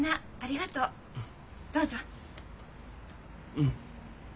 うん。